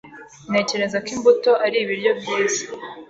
Ntekereza ko imbuto ari ibiryo byiza.